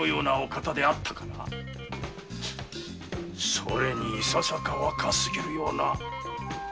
それにいささか若すぎるような。